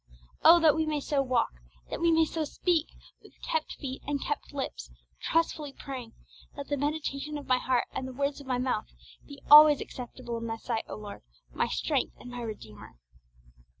Oh that we may so walk, that we may so speak, with kept feet and kept lips, trustfully praying, 'Let the meditation of my heart and the words of my mouth be alway acceptable in Thy sight, O Lord, my Strength and my Redeemer!'